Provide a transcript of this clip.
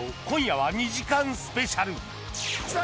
今夜は２時間スペシャル。